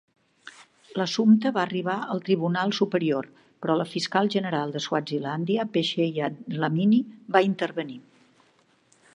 L'assumpte va arribar al Tribunal Superior, però la Fiscal General de Swazilandia, Phesheya Dlamini, va intervenir.